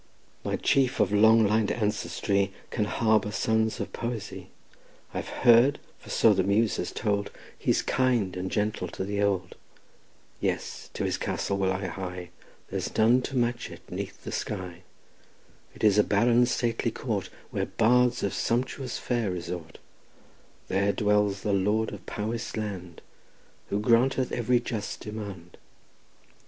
My chief of long lin'd ancestry Can harbour sons of poesy; I've heard, for so the muse has told, He's kind and gentle to the old; Yes, to his castle I will hie; There's none to match it 'neath the sky: It is a baron's stately court, Where bards for sumptuous fare resort; There dwells the lord of Powis land, Who granteth every just demand.